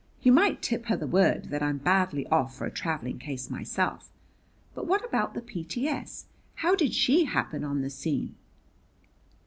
You might tip her the word that I'm badly off for a traveling case myself. But what about the P.T.S.? How did she happen on the scene?"